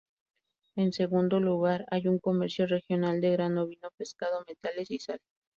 En segundo lugar, hay un comercio regional de grano, vino, pescado, metales y sal.